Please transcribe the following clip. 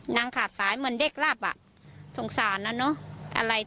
นั่งขาซ้ายเหมือนเด็กลับสงสารนะ